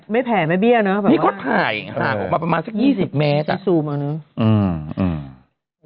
ไม่แผ่ไม่เบี้ยเนอะนี่ก็ถ่ายมาประมาณสักยี่สิบเมตรที่ซูมอันนึงอืมอืม